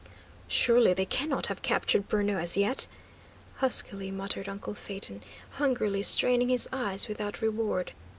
"Surely they cannot have captured Bruno, as yet?" huskily muttered uncle Phaeton, hungrily straining his eyes without reward.